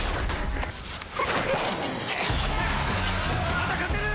まだ勝てる！